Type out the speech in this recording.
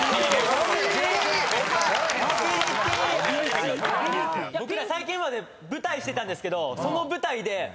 僕ら最近まで舞台してたんですけどその。